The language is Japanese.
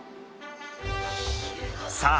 さあ！